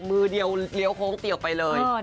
มือเดียวเลี้ยวโค้งเตียวไปเลย